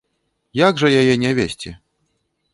Як жа яе не весці?